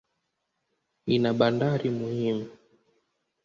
Ina bandari muhimu.